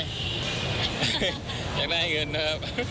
อยากได้เงินนะครับ